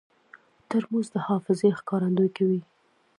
ترموز د حافظې ښکارندویي کوي.